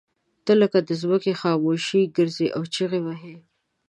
ته لکه د ځمکې خاموشي ګرځې او چغې وهې.